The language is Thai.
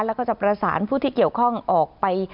แล้วก็จะประสานผู้ที่เกี่ยวข้องออกไป